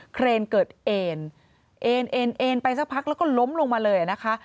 เครนเกิดเอนเอนไปสักพักแล้วก็ล้มลงมาเลยนะคะ